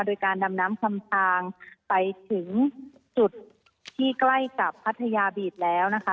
โดยการดำน้ำทำทางไปถึงจุดที่ใกล้กับพัทยาบีดแล้วนะคะ